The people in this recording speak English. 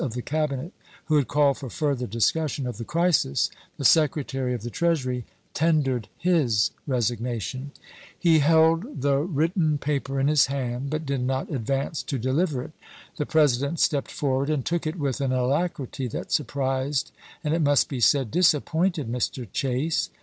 of the Cabinet who had called for further discus sion of the crisis, the Secretary of the Treasury tendered his resignation. He held the written 268 ABKAHAJI LINCOLN ciL.\p. XII. paper in his hand, but did not advance to deliver it. The President stepped forward and took it with an alacrity that surprised and, it must be said, disappointed Mr. Chase.